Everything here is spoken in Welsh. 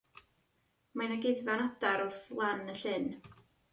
Mae 'na guddfan adar wrth lan y llyn.